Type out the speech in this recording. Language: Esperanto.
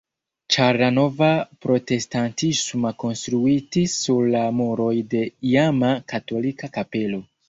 Ĉar la nova protestantisma konstruitis sur la muroj de iama katolika kapelo.